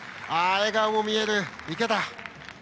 笑顔も見える、池田。